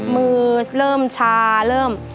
มือเริ่มชาเริ่ม